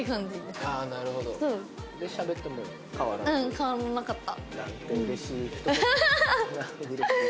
変わらなかった。